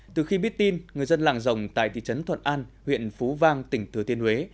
từ khi biết tin người dân làng rồng tại thị trấn thuận an huyện phú vang tỉnh thừa thiên huế